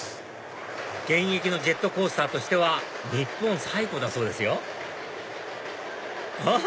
現役のジェットコースターとしては日本最古だそうですよあっ！